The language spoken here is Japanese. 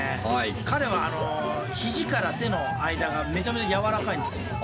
彼は肘から手の間がめちゃめちゃ柔らかいんですよ。